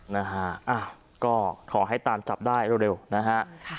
นะฮะก็ขอให้ตามจับได้เร็วนะฮะ